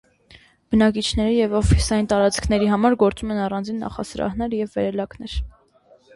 Բնակիչների և օֆիսային տարածքների համար գործում են առանձին նախասրահներ և վերելակներ։